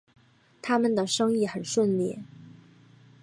他们的生意很顺利